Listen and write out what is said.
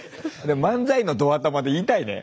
漫才のドアタマで言いたいね